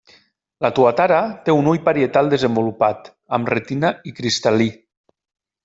La tuatara té un ull parietal desenvolupat, amb retina i cristal·lí.